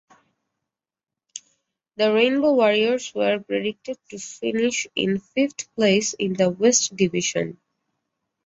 The Rainbow Warriors were predicted to finish in fifth place in the West Division.